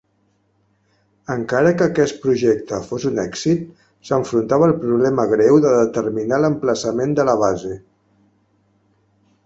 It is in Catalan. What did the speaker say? Encara que aquest projecte fos un èxit, s'enfrontava al problema greu de determinar l'emplaçament de la base.